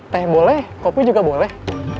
teh boleh kopi juga boleh